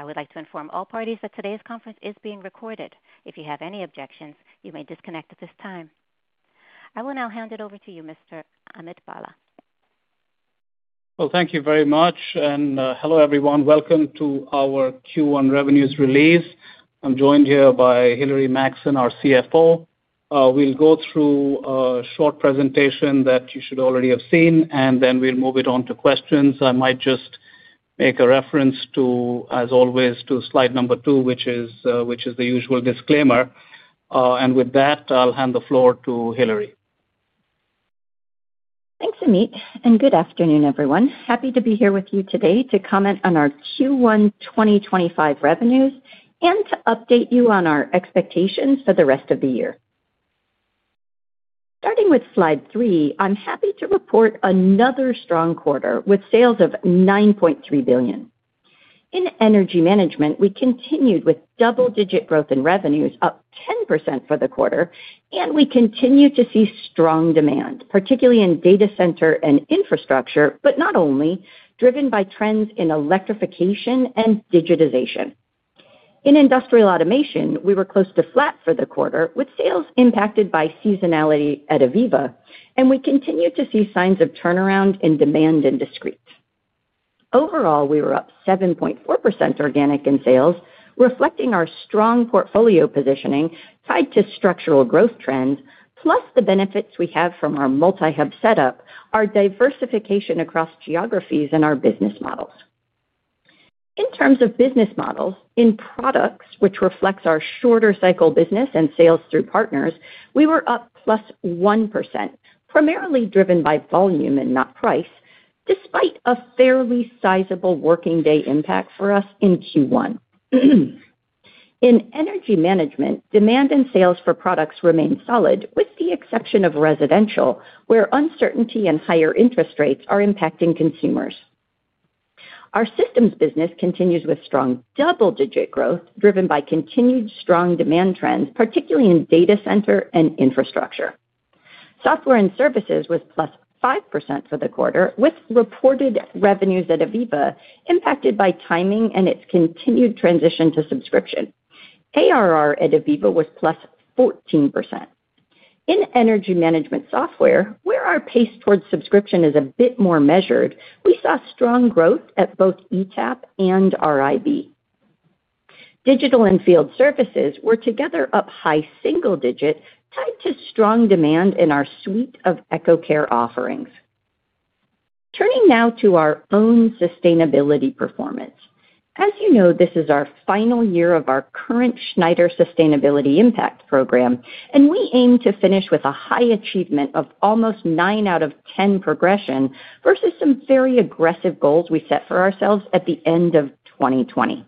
I would like to inform all parties that today's conference is being recorded. If you have any objections, you may disconnect at this time. I will now hand it over to you, Mr. Amit Bhalla. Thank you very much, and hello everyone. Welcome to our Q1 revenues release. I'm joined here by Hilary Maxson, our CFO. We'll go through a short presentation that you should already have seen, and then we'll move it on to questions. I might just make a reference to, as always, to slide number two, which is the usual disclaimer. With that, I'll hand the floor to Hilary. Thanks, Amit, and good afternoon, everyone. Happy to be here with you today to comment on our Q1 2025 revenues and to update you on our expectations for the rest of the year. Starting with slide three, I'm happy to report another strong quarter with sales of $9.3 billion. In Energy Management, we continued with double-digit growth in revenues, up 10% for the quarter, and we continue to see strong demand, particularly in Data Center and infrastructure, but not only, driven by trends in electrification and digitization. In Industrial Automation, we were close to flat for the quarter, with sales impacted by seasonality at AVEVA, and we continue to see signs of turnaround in demand in Discrete. Overall, we were up 7.4% organic in sales, reflecting our strong portfolio positioning tied to structural growth trends, plus the benefits we have from our multi-hub setup, our diversification across geographies, and our business models. In terms of business models, in products, which reflects our shorter-cycle business and sales through partners, we were up +1%, primarily driven by volume and not price, despite a fairly sizable working-day impact for us in Q1. In Energy Management, demand and sales for products remain solid, with the exception of residential, where uncertainty and higher interest rates are impacting consumers. Our systems business continues with strong double-digit growth, driven by continued strong demand trends, particularly in Data Center and infrastructure. Software and services was +5% for the quarter, with reported revenues at AVEVA impacted by timing and its continued transition to subscription. ARR at AVEVA was +14%. In energy management software, where our pace towards subscription is a bit more measured, we saw strong growth at both ETAP and RIB. Digital and field services were together up high single-digit, tied to strong demand in our suite of EcoCare offerings. Turning now to our own sustainability performance. As you know, this is our final year of our current Schneider Sustainability Impact Program, and we aim to finish with a high achievement of almost 9 out of 10 progression versus some very aggressive goals we set for ourselves at the end of 2020.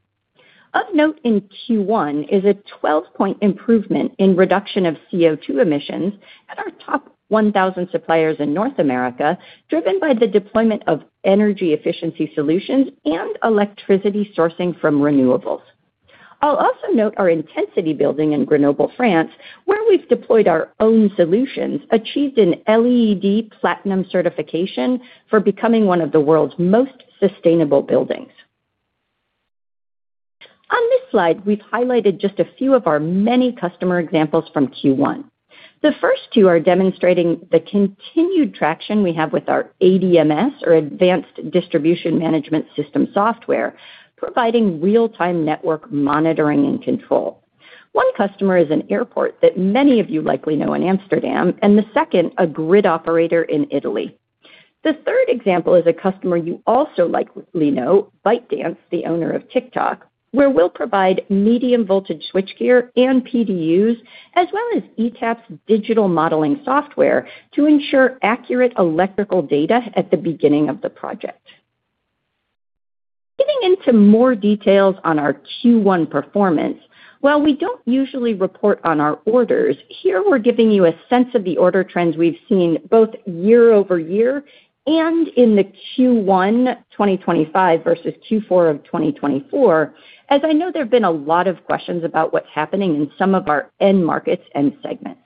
Of note, in Q1 is a 12-point improvement in reduction of CO2 emissions at our top 1,000 suppliers in North America, driven by the deployment of energy efficiency solutions and electricity sourcing from renewables. I'll also note our intensity building in Grenoble, France, where we've deployed our own solutions, achieved an LEED Platinum certification for becoming one of the world's most sustainable buildings. On this slide, we've highlighted just a few of our many customer examples from Q1. The first two are demonstrating the continued traction we have with our ADMS, or Advanced Distribution Management System software, providing real-time network monitoring and control. One customer is an airport that many of you likely know in Amsterdam, and the second, a grid operator in Italy. The third example is a customer you also likely know, ByteDance, the owner of TikTok, where we'll provide medium-voltage switchgear and PDUs, as well as ETAP's digital modeling software to ensure accurate electrical data at the beginning of the project. Getting into more details on our Q1 performance, while we do not usually report on our orders, here we are giving you a sense of the order trends we have seen both year-over-year and in the Q1 2025 versus Q4 of 2024, as I know there have been a lot of questions about what is happening in some of our end markets and segments.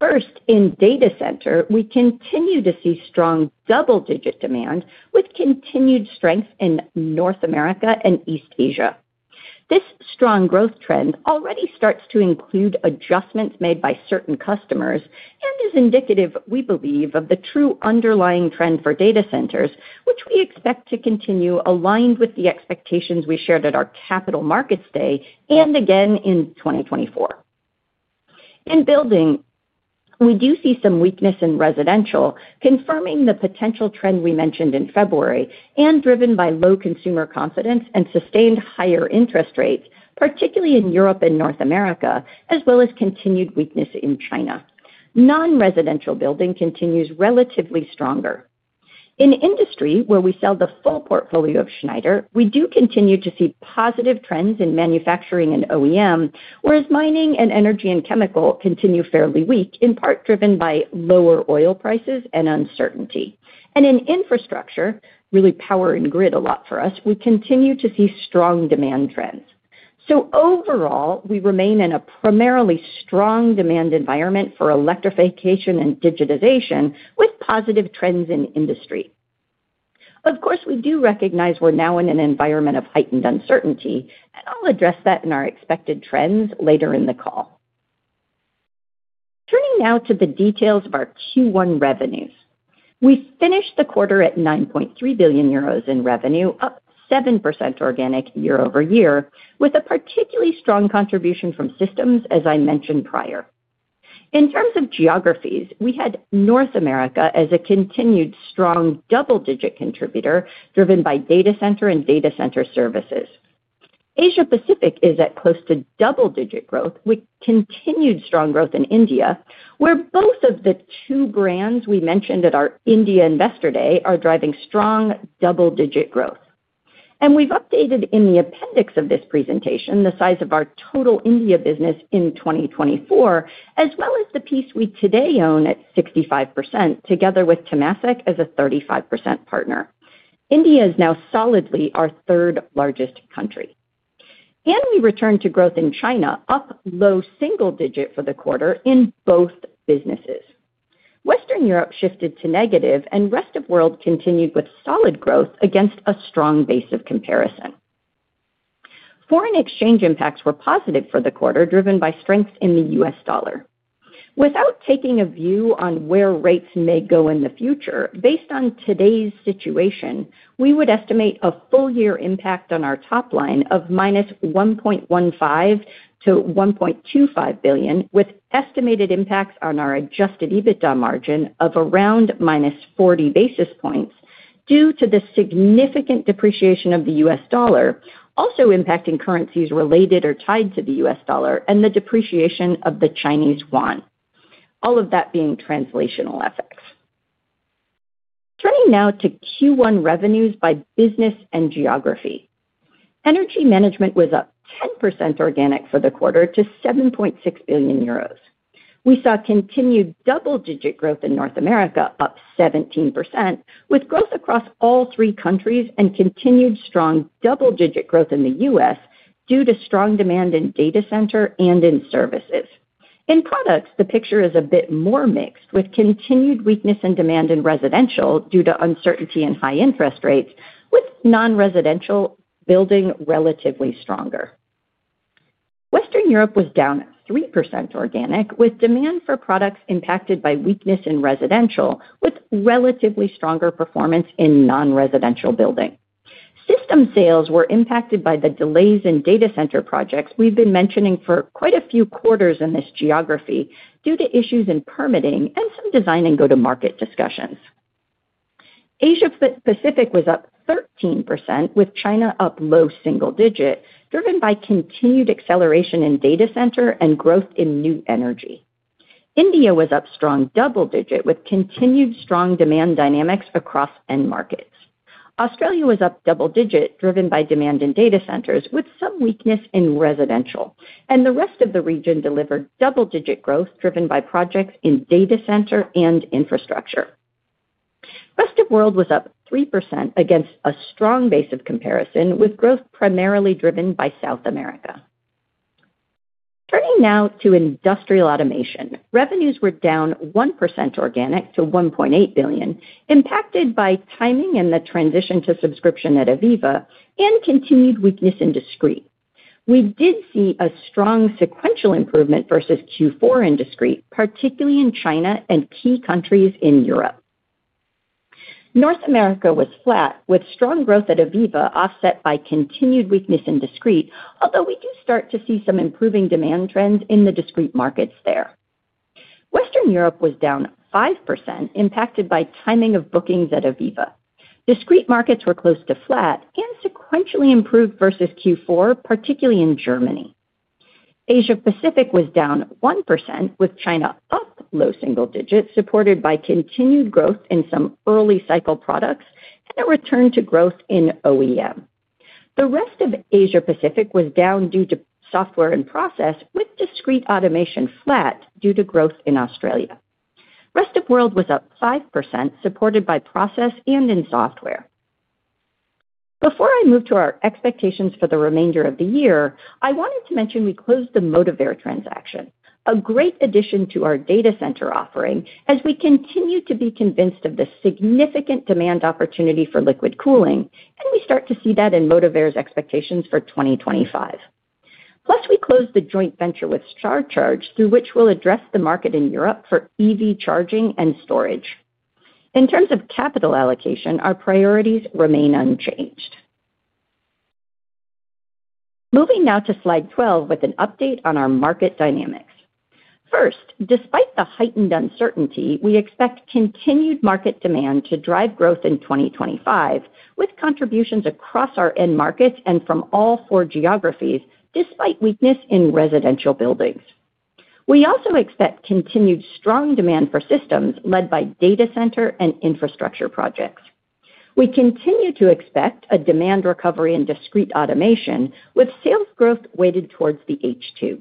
First, in Data Center, we continue to see strong double-digit demand with continued strength in North America and East Asia. This strong growth trend already starts to include adjustments made by certain customers and is indicative, we believe, of the true underlying trend for data centers, which we expect to continue aligned with the expectations we shared at our Capital Markets Day and again in 2024. In building, we do see some weakness in residential, confirming the potential trend we mentioned in February and driven by low consumer confidence and sustained higher interest rates, particularly in Europe and North America, as well as continued weakness in China. Non-residential building continues relatively stronger. In industry, where we sell the full portfolio of Schneider, we do continue to see positive trends in manufacturing and OEM, whereas mining and energy and chemical continue fairly weak, in part driven by lower oil prices and uncertainty. In infrastructure, really power and grid a lot for us, we continue to see strong demand trends. Overall, we remain in a primarily strong demand environment for electrification and digitization, with positive trends in industry. Of course, we do recognize we're now in an environment of heightened uncertainty, and I'll address that in our expected trends later in the call. Turning now to the details of our Q1 revenues. We finished the quarter at 9.3 billion euros in revenue, up 7% organic year-over-year, with a particularly strong contribution from systems, as I mentioned prior. In terms of geographies, we had North America as a continued strong double-digit contributor, driven by Data Center and Data Center services. Asia-Pacific is at close to double-digit growth, with continued strong growth in India, where both of the two brands we mentioned at our India Investor Day are driving strong double-digit growth. We have updated in the appendix of this presentation the size of our total India business in 2024, as well as the piece we today own at 65%, together with Temasek as a 35% partner. India is now solidly our third-largest country. We returned to growth in China, up low single-digit for the quarter in both businesses. Western Europe shifted to negative, and rest of the world continued with solid growth against a strong base of comparison. Foreign exchange impacts were positive for the quarter, driven by strength in the U.S. dollar. Without taking a view on where rates may go in the future, based on today's situation, we would estimate a full-year impact on our top line of -1.15 billion-1.25 billion, with estimated impacts on our adjusted EBITDA margin of around -40 basis points due to the significant depreciation of the U.S. dollar, also impacting currencies related or tied to the U.S. dollar, and the depreciation of the Chinese yuan, all of that being translational effects. Turning now to Q1 revenues by business and geography. Energy Management was up 10% organic for the quarter to 7.6 billion euros. We saw continued double-digit growth in North America, up 17%, with growth across all three countries and continued strong double-digit growth in the U.S. due to strong demand in Data Center and in services. In products, the picture is a bit more mixed, with continued weakness in demand in residential due to uncertainty and high interest rates, with non-residential building relatively stronger. Western Europe was down 3% organic, with demand for products impacted by weakness in residential, with relatively stronger performance in non-residential building. System sales were impacted by the delays in data center projects we've been mentioning for quite a few quarters in this geography due to issues in permitting and some design and go-to-market discussions. Asia-Pacific was up 13%, with China up low single-digit, driven by continued acceleration in data center and growth in new energy. India was up strong double-digit, with continued strong demand dynamics across end markets. Australia was up double-digit, driven by demand in data centers, with some weakness in residential. The rest of the region delivered double-digit growth, driven by projects in Data Center and infrastructure. Rest of the world was up 3% against a strong base of comparison, with growth primarily driven by South America. Turning now to industrial automation, revenues were down 1% organic to $1.8 billion, impacted by timing and the transition to subscription at AVEVA, and continued weakness in Discrete. We did see a strong sequential improvement versus Q4 in Discrete, particularly in China and key countries in Europe. North America was flat, with strong growth at AVEVA offset by continued weakness in Discrete, although we do start to see some improving demand trends in the Discrete markets there. Western Europe was down 5%, impacted by timing of bookings at AVEVA. Discrete markets were close to flat and sequentially improved versus Q4, particularly in Germany. Asia-Pacific was down 1%, with China up low single-digit, supported by continued growth in some early-cycle products and a return to growth in OEM. The rest of Asia-Pacific was down due to software and process, with Discrete automation flat due to growth in Australia. Rest of the world was up 5%, supported by process and in software. Before I move to our expectations for the remainder of the year, I wanted to mention we closed the Motivair transaction, a great addition to our Data Center offering, as we continue to be convinced of the significant demand opportunity for liquid cooling, and we start to see that in Motivair's expectations for 2025. Plus, we closed the joint venture with StarCharge, through which we'll address the market in Europe for EV charging and storage. In terms of capital allocation, our priorities remain unchanged. Moving now to slide 12 with an update on our market dynamics. First, despite the heightened uncertainty, we expect continued market demand to drive growth in 2025, with contributions across our end markets and from all four geographies, despite weakness in residential buildings. We also expect continued strong demand for systems led by Data Center and infrastructure projects. We continue to expect a demand recovery in Discrete automation, with sales growth weighted towards the H2.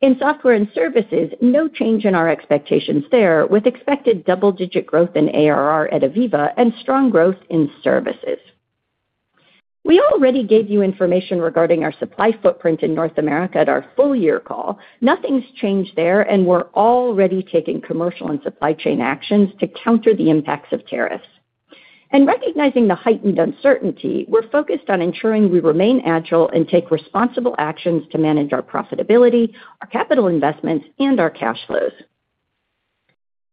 In software and services, no change in our expectations there, with expected double-digit growth in ARR at AVEVA and strong growth in services. We already gave you information regarding our supply footprint in North America at our full-year call. Nothing's changed there, and we're already taking commercial and supply chain actions to counter the impacts of tariffs. Recognizing the heightened uncertainty, we're focused on ensuring we remain agile and take responsible actions to manage our profitability, our capital investments, and our cash flows.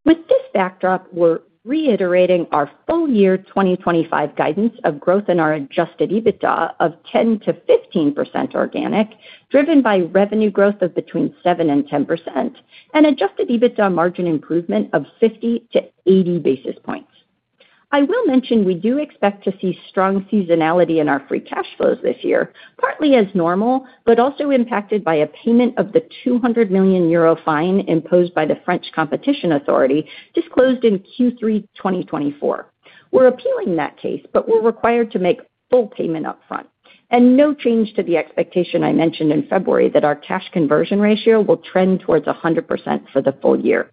With this backdrop, we're reiterating our full-year 2025 guidance of growth in our adjusted EBITDA of 10%-15% organic, driven by revenue growth of between 7% and 10%, and adjusted EBITDA margin improvement of 50-80 basis points. I will mention we do expect to see strong seasonality in our free cash flows this year, partly as normal, but also impacted by a payment of the 200 million euro fine imposed by the French Competition Authority disclosed in Q3 2024. We're appealing that case, but we're required to make full payment upfront. No change to the expectation I mentioned in February that our cash conversion ratio will trend towards 100% for the full year.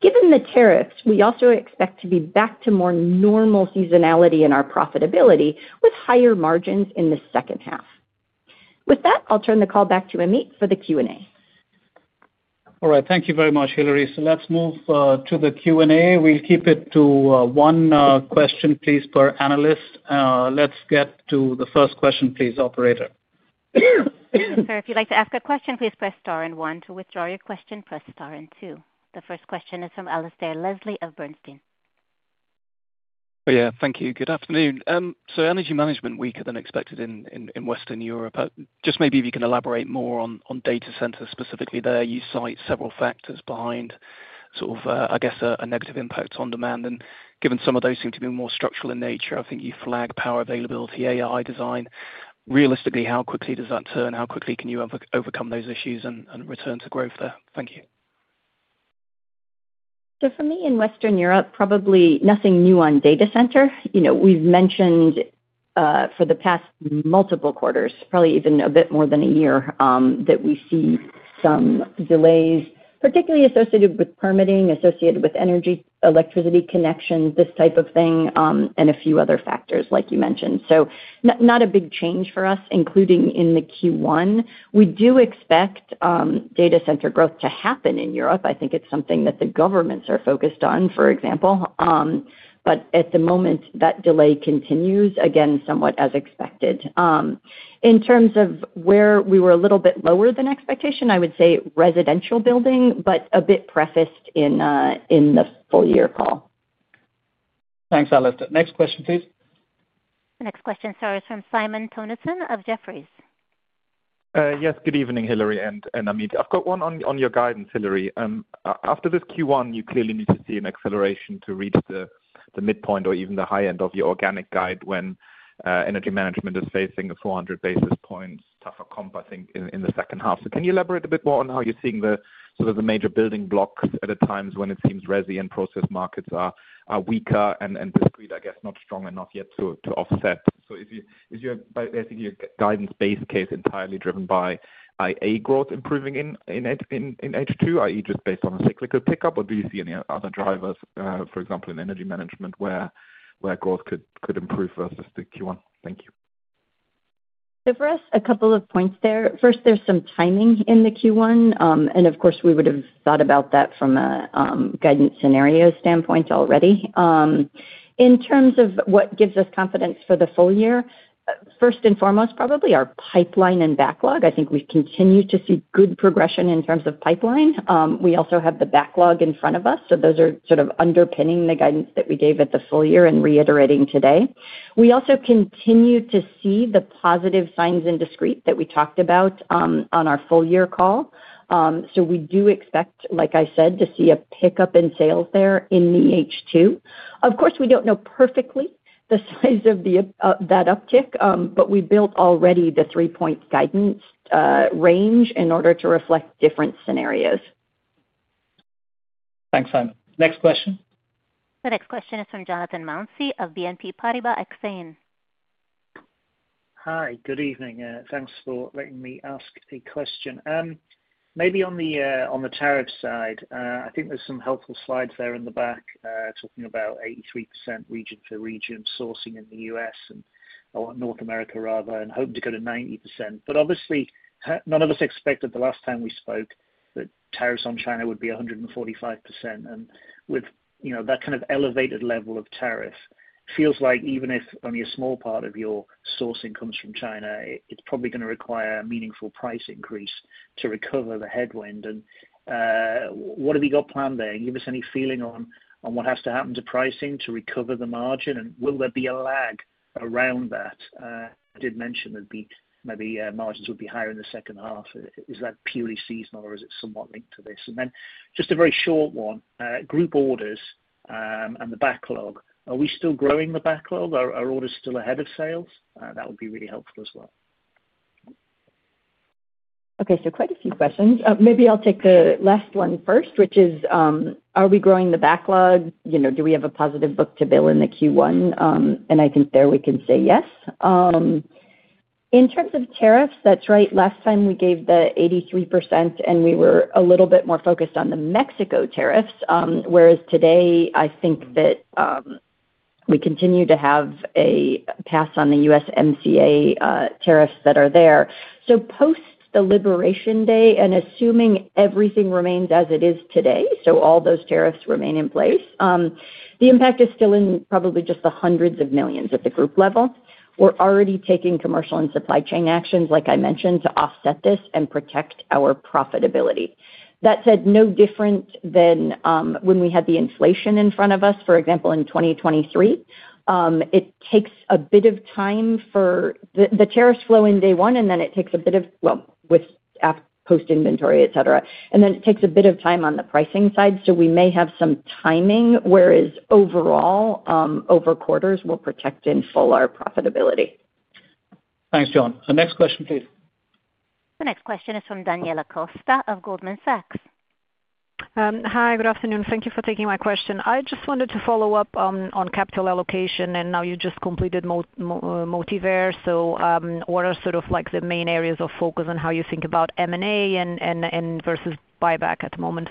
Given the tariffs, we also expect to be back to more normal seasonality in our profitability, with higher margins in the second half. With that, I'll turn the call back to Amit for the Q&A. All right. Thank you very much, Hilary. Let's move to the Q&A. We'll keep it to one question, please, per analyst. Let's get to the first question, please, operator. If you'd like to ask a question, please press star and one. To withdraw your question, press star and two. The first question is from Alasdair Leslie of Bernstein. Oh, yeah. Thank you. Good afternoon. Energy management weaker than expected in Western Europe. Just maybe if you can elaborate more on Data Centers specifically there. You cite several factors behind sort of, I guess, a negative impact on demand. Given some of those seem to be more structural in nature, I think you flag power availability, AI design. Realistically, how quickly does that turn? How quickly can you overcome those issues and return to growth there? Thank you. For me in Western Europe, probably nothing new on Data Center. We've mentioned for the past multiple quarters, probably even a bit more than a year, that we see some delays, particularly associated with permitting, associated with energy, electricity connections, this type of thing, and a few other factors, like you mentioned. Not a big change for us, including in the Q1. We do expect Data Center growth to happen in Europe. I think it's something that the governments are focused on, for example. At the moment, that delay continues, again, somewhat as expected. In terms of where we were a little bit lower than expectation, I would say residential building, but a bit prefaced in the full-year call. Thanks, Alasdair. Next question, please. Next question. It is from Simon Toennessen of Jefferies. Yes. Good evening, Hilary and Amit. I've got one on your guidance, Hilary. After this Q1, you clearly need to see an acceleration to reach the midpoint or even the high end of your organic guide when Energy Management is facing a 400 basis points tougher comp, I think, in the second half. Can you elaborate a bit more on how you're seeing the sort of the major building blocks at a time when it seems resi and process markets are weaker and Discrete, I guess, not strong enough yet to offset? Is your guidance base case entirely driven by AA growth improving in H2, i.e., just based on a cyclical pickup, or do you see any other drivers, for example, in Energy Management where growth could improve versus the Q1? Thank you. For us, a couple of points there. First, there is some timing in the Q1. Of course, we would have thought about that from a guidance scenario standpoint already. In terms of what gives us confidence for the full year, first and foremost, probably our pipeline and backlog. I think we continue to see good progression in terms of pipeline. We also have the backlog in front of us. Those are sort of underpinning the guidance that we gave at the full year and reiterating today. We also continue to see the positive signs in Discrete that we talked about on our full-year call. We do expect, like I said, to see a pickup in sales there in the H2. Of course, we do not know perfectly the size of that uptick, but we built already the three-point guidance range in order to reflect different scenarios. Thanks, Simon. Next question. The next question is from Jonathan Mounsey of BNP Paribas Exane. Hi. Good evening. Thanks for letting me ask the question. Maybe on the tariff side, I think there's some helpful slides there in the back talking about 83% region-to-region sourcing in the U.S. and North America, rather, and hope to go to 90%. Obviously, none of us expected the last time we spoke that tariffs on China would be 145%. With that kind of elevated level of tariff, it feels like even if only a small part of your sourcing comes from China, it's probably going to require a meaningful price increase to recover the headwind. What have you got planned there? Give us any feeling on what has to happen to pricing to recover the margin, and will there be a lag around that? I did mention that maybe margins would be higher in the second half. Is that purely seasonal, or is it somewhat linked to this? Just a very short one, group orders and the backlog. Are we still growing the backlog? Are orders still ahead of sales? That would be really helpful as well. Okay. Quite a few questions. Maybe I'll take the last one first, which is, are we growing the backlog? Do we have a positive book-to-bill in Q1? I think there we can say yes. In terms of tariffs, that's right. Last time we gave the 83%, and we were a little bit more focused on the Mexico tariffs, whereas today, I think that we continue to have a pass on the USMCA tariffs that are there. Post the liberation day, and assuming everything remains as it is today, so all those tariffs remain in place, the impact is still in probably just the hundreds of millions at the group level. We're already taking commercial and supply chain actions, like I mentioned, to offset this and protect our profitability. That said, no different than when we had the inflation in front of us, for example, in 2023. It takes a bit of time for the tariffs flow in day one, and then it takes a bit of, well, post-inventory, etc. It takes a bit of time on the pricing side. We may have some timing, whereas overall, over quarters, we'll protect in full our profitability. Thanks, Jon. Next question, please. The next question is from Daniela Costa of Goldman Sachs. Hi. Good afternoon. Thank you for taking my question. I just wanted to follow up on capital allocation, and now you just completed Motivair. What are sort of the main areas of focus on how you think about M&A versus buyback at the moment?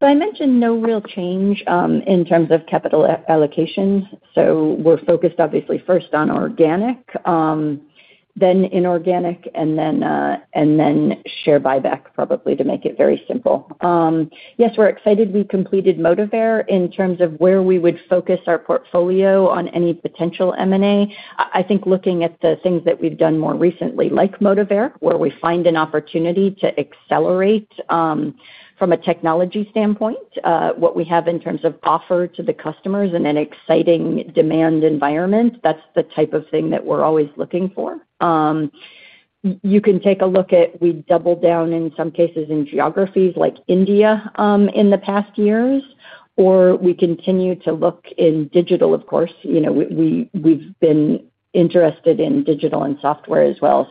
I mentioned no real change in terms of capital allocation. We're focused, obviously, first on organic, then inorganic, and then share buyback, probably, to make it very simple. Yes, we're excited we completed Motivair in terms of where we would focus our portfolio on any potential M&A. I think looking at the things that we've done more recently, like Motivair, where we find an opportunity to accelerate from a technology standpoint, what we have in terms of offer to the customers in an exciting demand environment, that's the type of thing that we're always looking for. You can take a look at we double down in some cases in geographies like India in the past years, or we continue to look in digital, of course. We've been interested in digital and software as well.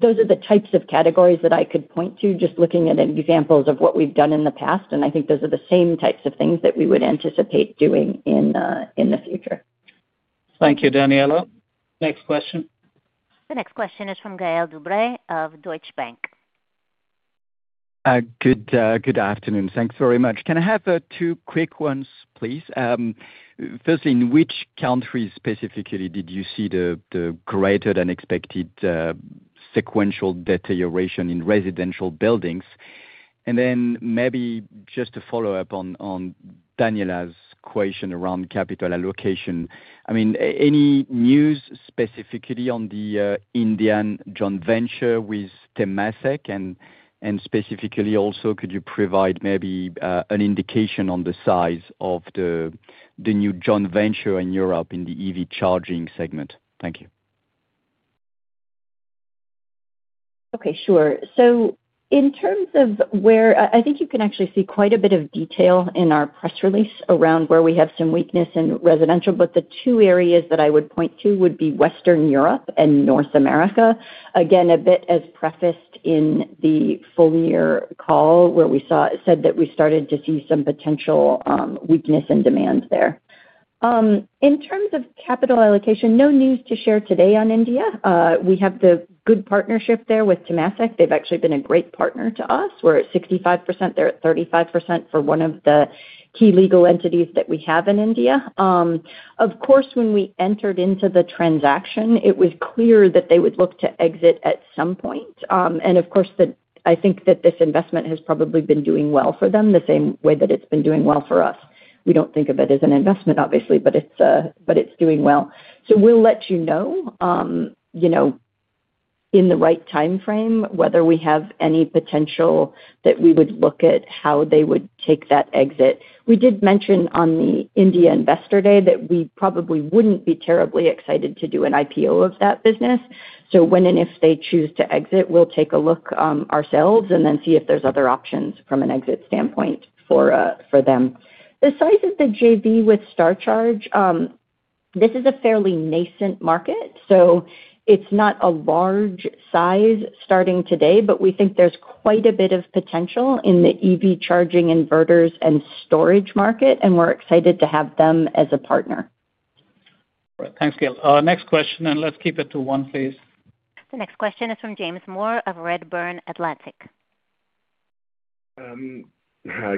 Those are the types of categories that I could point to, just looking at examples of what we've done in the past. I think those are the same types of things that we would anticipate doing in the future. Thank you, Daniela. Next question. The next question is from Gaël De Bray of Deutsche Bank. Good afternoon. Thanks very much. Can I have two quick ones, please? Firstly, in which countries specifically did you see the greater than expected sequential deterioration in residential buildings? I mean, any news specifically on the Indian joint venture with Temasek? Specifically also, could you provide maybe an indication on the size of the new joint venture in Europe in the EV charging segment? Thank you. Okay. Sure. In terms of where I think you can actually see quite a bit of detail in our press release around where we have some weakness in residential. The two areas that I would point to would be Western Europe and North America. Again, a bit as prefaced in the full-year call, where we said that we started to see some potential weakness in demand there. In terms of capital allocation, no news to share today on India. We have the good partnership there with Temasek. They've actually been a great partner to us. We're at 65%. They're at 35% for one of the key legal entities that we have in India. Of course, when we entered into the transaction, it was clear that they would look to exit at some point. Of course, I think that this investment has probably been doing well for them the same way that it's been doing well for us. We don't think of it as an investment, obviously, but it's doing well. We'll let you know in the right time frame whether we have any potential that we would look at how they would take that exit. We did mention on the India Investor Day that we probably wouldn't be terribly excited to do an IPO of that business. When and if they choose to exit, we'll take a look ourselves and then see if there's other options from an exit standpoint for them. The size of the JV with StarCharge, this is a fairly nascent market. It's not a large size starting today, but we think there is quite a bit of potential in the EV charging inverters and storage market, and we are excited to have them as a partner. All right. Thanks, Gaël. Next question, and let's keep it to one, please. The next question is from James Moore of Redburn Atlantic.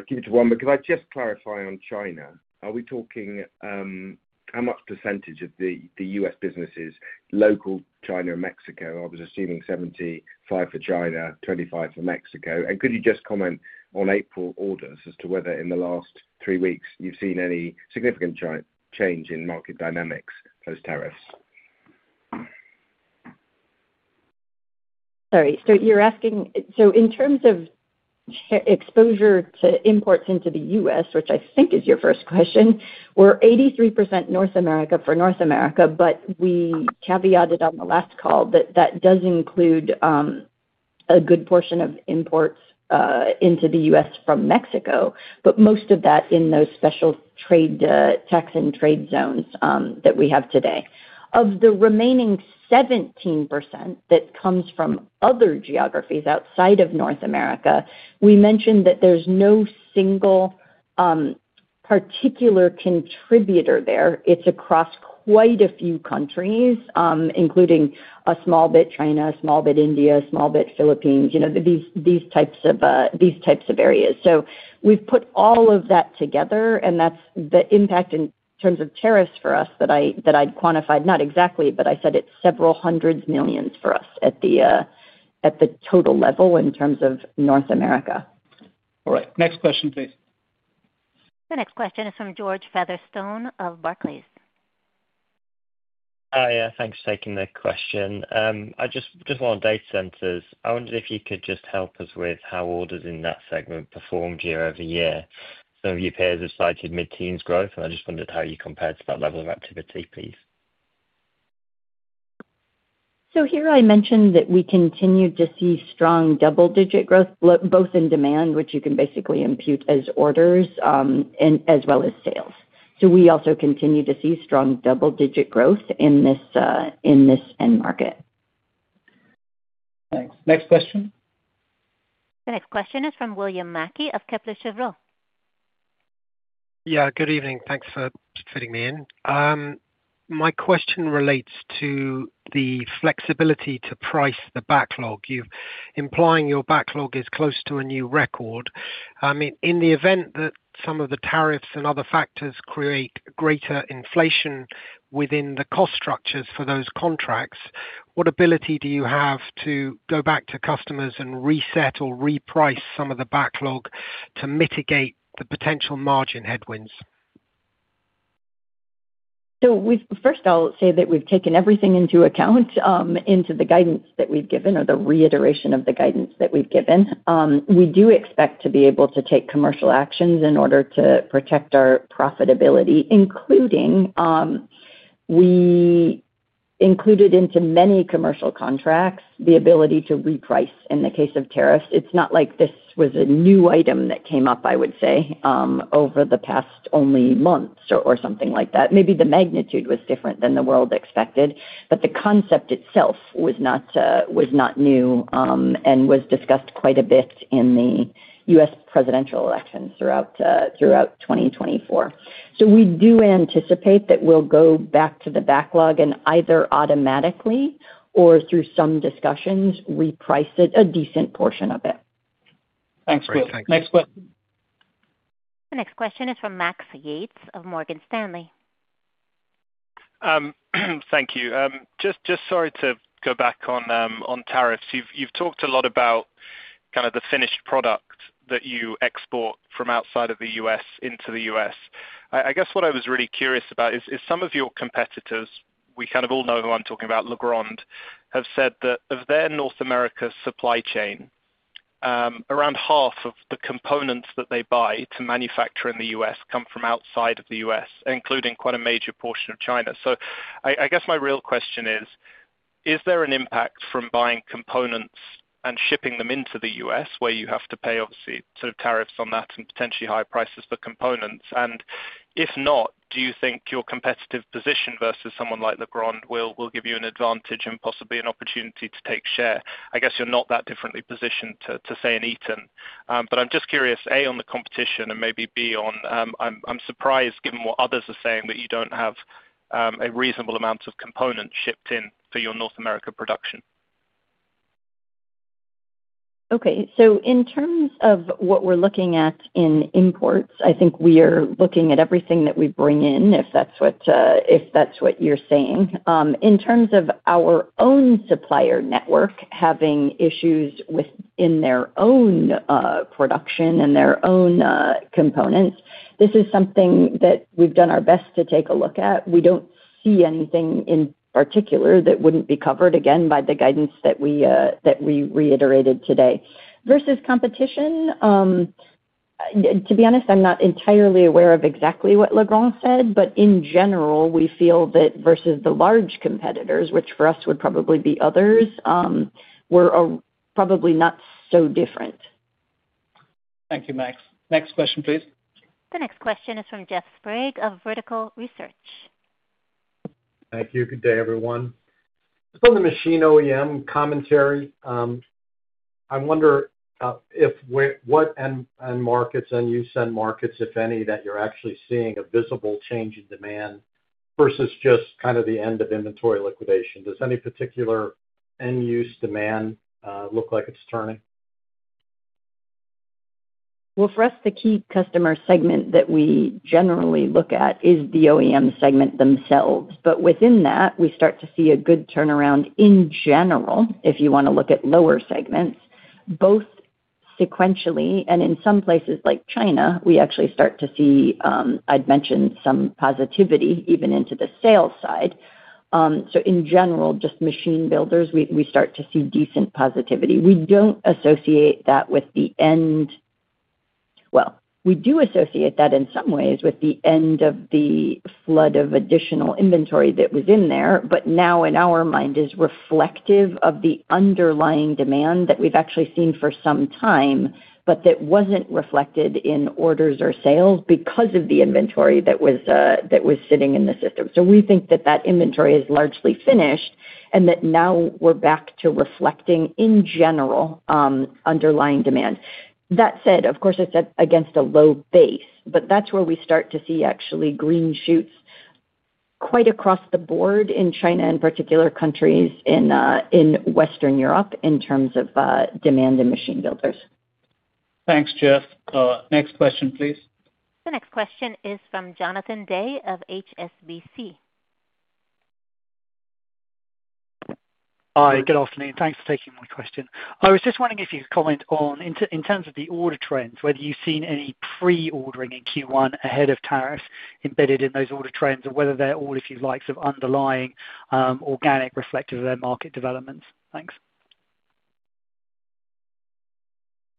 Give it to one. Could I just clarify on China? Are we talking how much percentage of the U.S. businesses, Local, China, and Mexico? I was assuming 75% for China, 25% for Mexico. Could you just comment on April orders as to whether in the last three weeks you've seen any significant change in market dynamics post-tariff? Sorry. You're asking in terms of exposure to imports into the U.S., which I think is your first question. We're 83% North America for North America, but we caveated on the last call that that does include a good portion of imports into the U.S. from Mexico, but most of that in those special tax and trade zones that we have today. Of the remaining 17% that comes from other geographies outside of North America, we mentioned that there's no single particular contributor there. It's across quite a few countries, including a small bit China, a small bit India, a small bit Philippines, these types of areas. We've put all of that together, and that's the impact in terms of tariffs for us that I'd quantified not exactly, but I said it's several hundreds of millions for us at the total level in terms of North America. All right. Next question, please. The next question is from George Featherstone of Barclays. Hi. Thanks for taking the question. I just want data centers. I wondered if you could just help us with how orders in that segment performed year-over-year. Some of your peers have cited mid-teens growth, and I just wondered how you compared to that level of activity, please. Here I mentioned that we continue to see strong double-digit growth, both in demand, which you can basically impute as orders, as well as sales. We also continue to see strong double-digit growth in this end market. Thanks. Next question. The next question is from William Mackie of Kepler Cheuvreux. Yeah. Good evening. Thanks for fitting me in. My question relates to the flexibility to price the backlog. You're implying your backlog is close to a new record. In the event that some of the tariffs and other factors create greater inflation within the cost structures for those contracts, what ability do you have to go back to customers and reset or reprice some of the backlog to mitigate the potential margin headwinds? First, I'll say that we've taken everything into account into the guidance that we've given or the reiteration of the guidance that we've given. We do expect to be able to take commercial actions in order to protect our profitability, including we included into many commercial contracts the ability to reprice in the case of tariffs. It's not like this was a new item that came up, I would say, over the past only months or something like that. Maybe the magnitude was different than the world expected, but the concept itself was not new and was discussed quite a bit in the U.S. presidential elections throughout 2024. We do anticipate that we'll go back to the backlog and either automatically or through some discussions reprice a decent portion of it. Thanks, Will. Next question. The next question is from Max Yates of Morgan Stanley. Thank you. Just sorry to go back on tariffs. You've talked a lot about kind of the finished product that you export from outside of the U.S. into the U.S. I guess what I was really curious about is some of your competitors, we kind of all know who I'm talking about, Legrand, have said that of their North America supply chain, around half of the components that they buy to manufacture in the U.S. come from outside of the U.S., including quite a major portion of China. I guess my real question is, is there an impact from buying components and shipping them into the U.S. where you have to pay, obviously, sort of tariffs on that and potentially higher prices for components? If not, do you think your competitive position versus someone like Legrand will give you an advantage and possibly an opportunity to take share? I guess you're not that differently positioned to, say, an Eaton. I'm just curious, A, on the competition, and maybe B, on I'm surprised given what others are saying that you don't have a reasonable amount of components shipped in for your North America production. Okay. In terms of what we're looking at in imports, I think we are looking at everything that we bring in, if that's what you're saying. In terms of our own supplier network having issues within their own production and their own components, this is something that we've done our best to take a look at. We don't see anything in particular that wouldn't be covered, again, by the guidance that we reiterated today. Versus competition, to be honest, I'm not entirely aware of exactly what Legrand said, but in general, we feel that versus the large competitors, which for us would probably be others, we're probably not so different. Thank you, Max. Next question, please. The next question is from Jeff Sprague of Vertical Research. Thank you. Good day, everyone. Just on the machine OEM commentary, I wonder what end markets and use end markets, if any, that you're actually seeing a visible change in demand versus just kind of the end of inventory liquidation. Does any particular end use demand look like it's turning? For us, the key customer segment that we generally look at is the OEM segment themselves. Within that, we start to see a good turnaround in general, if you want to look at lower segments, both sequentially. In some places like China, we actually start to see, I'd mentioned, some positivity even into the sales side. In general, just machine builders, we start to see decent positivity. We do associate that in some ways with the end of the flood of additional inventory that was in there, but now in our mind is reflective of the underlying demand that we've actually seen for some time, but that was not reflected in orders or sales because of the inventory that was sitting in the system. We think that that inventory is largely finished and that now we're back to reflecting in general underlying demand. That said, of course, it's against a low base, but that's where we start to see actually green shoots quite across the board in China and particular countries in Western Europe in terms of demand and machine builders. Thanks, Jeff. Next question, please. The next question is from Jonathan Day of HSBC. Hi. Good afternoon. Thanks for taking my question. I was just wondering if you could comment on in terms of the order trends, whether you've seen any pre-ordering in Q1 ahead of tariffs embedded in those order trends or whether they're all, if you like sort of underlying organic reflective of their market developments. Thanks.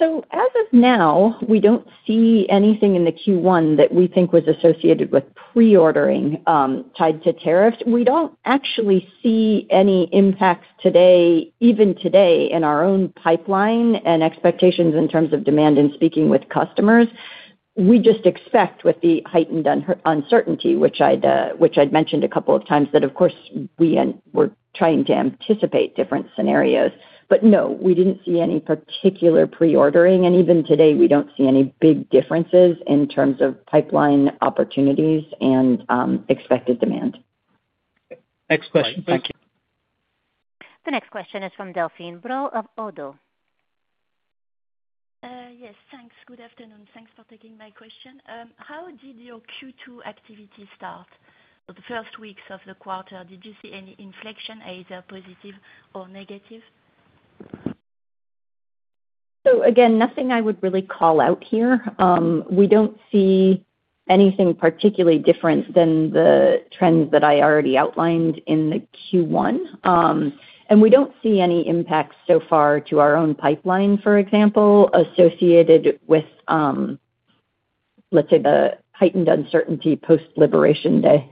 As of now, we don't see anything in the Q1 that we think was associated with pre-ordering tied to tariffs. We don't actually see any impacts today, even today, in our own pipeline and expectations in terms of demand and speaking with customers. We just expect with the heightened uncertainty, which I'd mentioned a couple of times, that of course, we were trying to anticipate different scenarios. No, we didn't see any particular pre-ordering. Even today, we don't see any big differences in terms of pipeline opportunities and expected demand. Next question. Thank you. The next question is from Delphine Brault of ODDO. Yes. Thanks. Good afternoon. Thanks for taking my question. How did your Q2 activity start? The first weeks of the quarter, did you see any inflection, either positive or negative? Again, nothing I would really call out here. We do not see anything particularly different than the trends that I already outlined in the Q1. We do not see any impacts so far to our own pipeline, for example, associated with, let's say, the heightened uncertainty post-Liberation Day.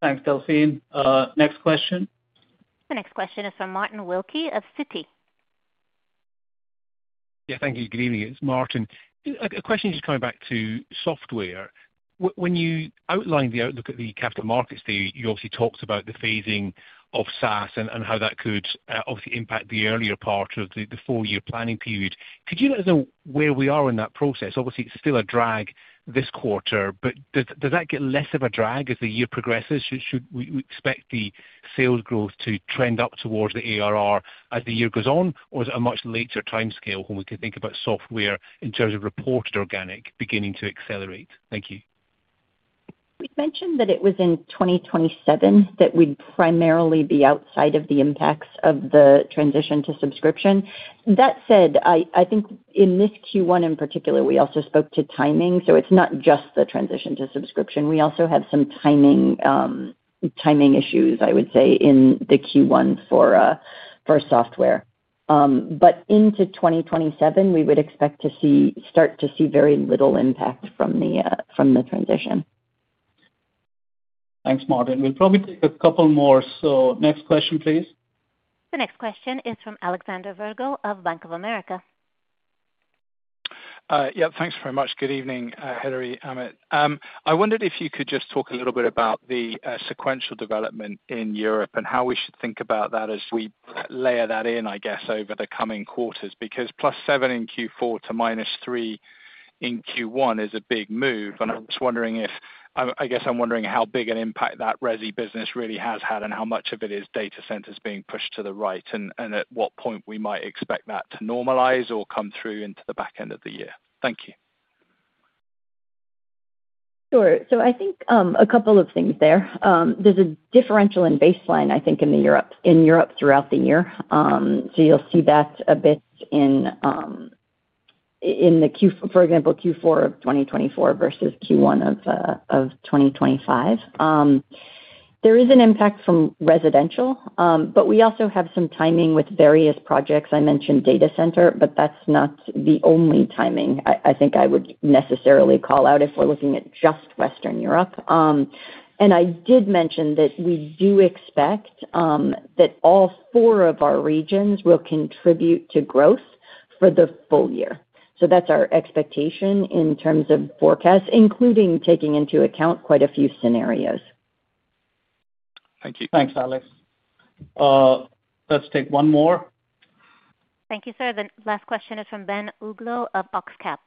Thanks, Delphine. Next question. The next question is from Martin Wilkie of Citi. Yeah. Thank you. Good evening. It's Martin. A question just coming back to software. When you outlined the outlook at the capital markets, you obviously talked about the phasing of SaaS and how that could obviously impact the earlier part of the four-year planning period. Could you let us know where we are in that process? Obviously, it's still a drag this quarter, but does that get less of a drag as the year progresses? Should we expect the sales growth to trend up towards the ARR as the year goes on, or is it a much later timescale when we can think about software in terms of reported organic beginning to accelerate? Thank you. We mentioned that it was in 2027 that we'd primarily be outside of the impacts of the transition to subscription. That said, I think in this Q1 in particular, we also spoke to timing. It is not just the transition to subscription. We also have some timing issues, I would say, in the Q1 for software. Into 2027, we would expect to start to see very little impact from the transition. Thanks, Martin. We'll probably take a couple more. Next question, please. The next question is from Alexander Virgo of Bank of America. Yeah. Thanks very much. Good evening, Hilary, Amit. I wondered if you could just talk a little bit about the sequential development in Europe and how we should think about that as we layer that in, I guess, over the coming quarters because +7% in Q4 to -3% in Q1 is a big move. I'm just wondering, I guess, I'm wondering how big an impact that Resi business really has had and how much of it is data centers being pushed to the right and at what point we might expect that to normalize or come through into the back end of the year. Thank you. Sure. I think a couple of things there. There is a differential in baseline, I think, in Europe throughout the year. You will see that a bit in, for example, Q4 of 2024 versus Q1 of 2025. There is an impact from residential, but we also have some timing with various projects. I mentioned Data Center, but that is not the only timing I think I would necessarily call out if we are looking at just Western Europe. I did mention that we do expect that all four of our regions will contribute to growth for the full year. That is our expectation in terms of forecasts, including taking into account quite a few scenarios. Thank you. Thanks, Alex. Let's take one more. Thank you, sir. The last question is from Ben Uglow of Oxcap.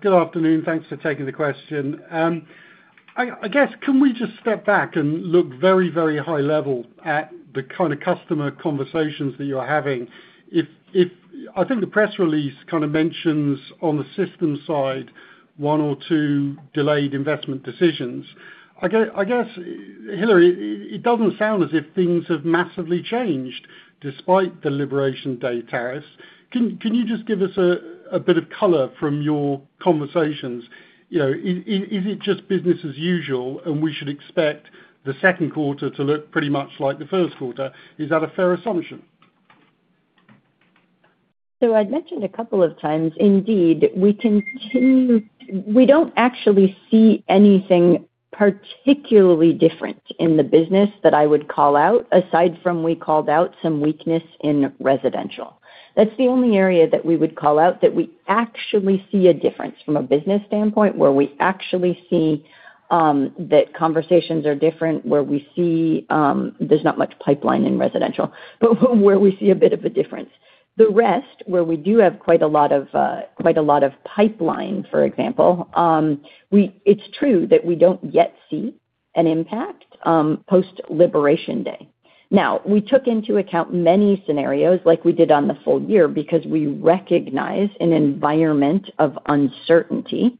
Good afternoon. Thanks for taking the question. I guess, can we just step back and look very, very high level at the kind of customer conversations that you're having? I think the press release kind of mentions on the system side one or two delayed investment decisions. I guess, Hilary, it doesn't sound as if things have massively changed despite the Liberation Day tariffs. Can you just give us a bit of color from your conversations? Is it just business as usual, and we should expect the second quarter to look pretty much like the first quarter? Is that a fair assumption? I'd mentioned a couple of times, indeed, we don't actually see anything particularly different in the business that I would call out aside from we called out some weakness in residential. That's the only area that we would call out that we actually see a difference from a business standpoint where we actually see that conversations are different, where we see there's not much pipeline in residential, but where we see a bit of a difference. The rest, where we do have quite a lot of pipeline, for example, it's true that we don't yet see an impact post-Liberation Day. Now, we took into account many scenarios like we did on the full year because we recognize an environment of uncertainty.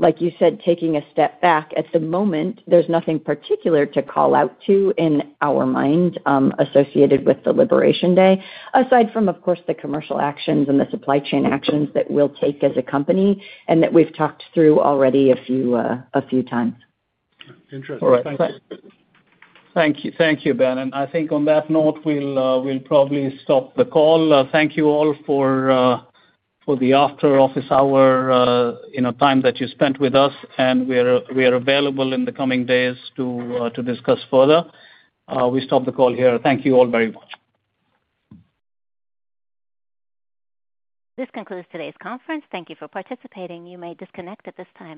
Like you said, taking a step back, at the moment, there's nothing particular to call out to in our mind associated with the Liberation Day, aside from, of course, the commercial actions and the supply chain actions that we'll take as a company and that we've talked through already a few times. Interesting. Thank you. Thank you, Ben. I think on that note, we'll probably stop the call. Thank you all for the after office hour time that you spent with us, and we are available in the coming days to discuss further. We stop the call here. Thank you all very much. This concludes today's conference. Thank you for participating. You may disconnect at this time.